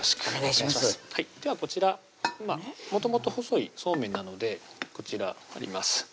お願いしますではこちらもともと細いそうめんなのでこちらあります